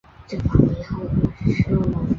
油松的木材可用于一般建筑。